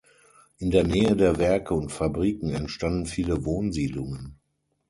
In der Nähe der Werke und Fabriken entstanden viele Wohnsiedlungen.